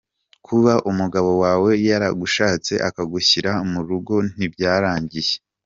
Kuba umugabo wawe yaragushatse akagushyira mu rugo ntibyarangiye.